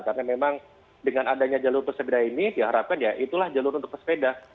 karena memang dengan adanya jalur sepeda ini diharapkan ya itulah jalur untuk pesepeda